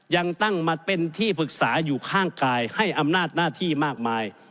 ยังตั้งมาเป็นที่ปรึกษาอยู่ข้างกายให้อำนาจหน้าที่มากมาย